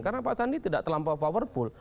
karena pak sandi tidak terlampau powerful